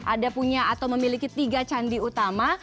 ada punya atau memiliki tiga candi utama